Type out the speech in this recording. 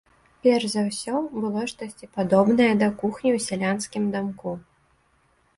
Перш за ўсё было штосьці падобнае да кухні ў сялянскім дамку.